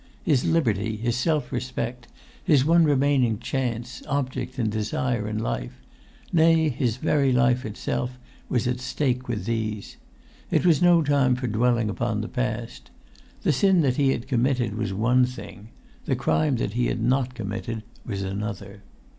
His liberty, his self respect; his one remaining chance, object, and desire in life; nay, his very life itself was at stake with these. It was no time for dwelling upon the past. The sin that he had committed was one thing; the crime that he had not committed was another.